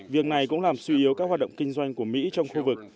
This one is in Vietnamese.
việc này cũng làm suy yếu các hoạt động kinh doanh của mỹ trong khu vực